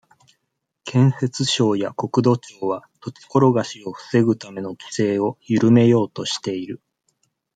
建設省や国土庁は、土地ころがしを防ぐための規制を、ゆるめようとしている。